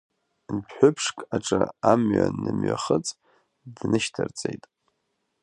Дәҳәыԥшк аҿы амҩа нымҩахыҵ днышьҭарҵеит.